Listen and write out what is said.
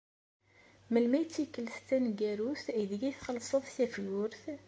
Melmi ay d tikkelt taneggarut aydeg txellṣeḍ tafgurt?